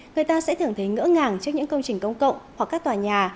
người ta sẽ thưởng thấy ngỡ ngàng trước những công trình công cộng hoặc các tòa nhà